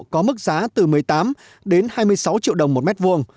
có mức giá từ một mươi tám đến hai mươi sáu triệu đồng một mét vuông